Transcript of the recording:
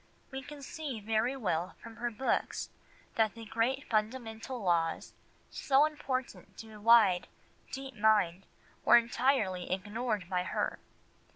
We can see very well from her books that the great fundamental laws so important to a wide, deep mind were entirely ignored by her.